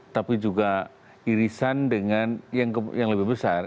tapi juga irisan dengan yang lebih besar